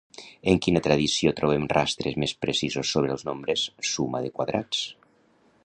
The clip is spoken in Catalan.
En quina tradició trobem rastres més precisos sobre els nombres suma de quadrats?